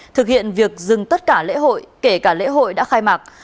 thực hiện việc dừng tất cả lễ hội kể cả lễ hội đã khai mạc